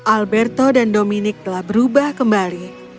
alberto dan dominic telah berubah kembali